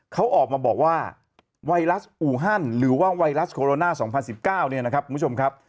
เขาออกมาบอกว่าไวรัสอูฮันหรือว่าไวรัสโคโรนา๒๐๑๙เนี่ยนะครับคุณผู้ชมครับ